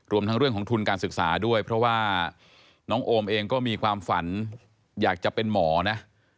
ทั้งเรื่องของทุนการศึกษาด้วยเพราะว่าน้องโอมเองก็มีความฝันอยากจะเป็นหมอนะ